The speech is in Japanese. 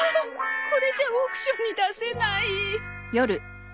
これじゃオークションに出せない。